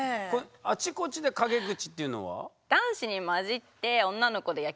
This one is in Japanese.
「あちこちで陰口」っていうのは？